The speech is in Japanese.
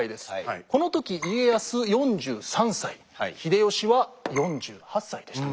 この時家康４３歳秀吉は４８歳でした。